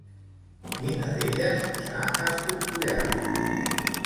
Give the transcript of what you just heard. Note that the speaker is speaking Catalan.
Quina d'elles s'ha escorcollat?